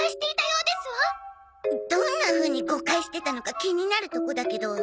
どんなふうに誤解してたのか気になるとこだけど。